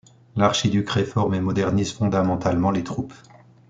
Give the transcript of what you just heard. L'archiduc réforme et modernise fondamentalement les troupes.